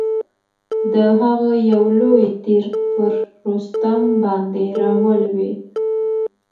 د هغه یو لوی تیر پر رستم باندي را ولوېد.